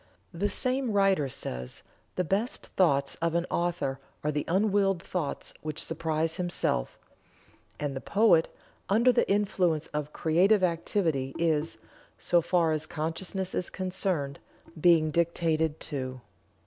The same writer says: "The best thoughts of an author are the unwilled thoughts which surprise himself; and the poet, under the influence of creative activity, is, so far as consciousness is concerned, being dictated to."